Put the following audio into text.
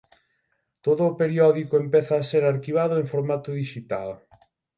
Todo o periódico empeza a ser arquivado en formato dixital.